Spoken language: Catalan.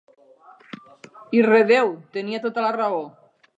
I, redeu, tenia tota la raó.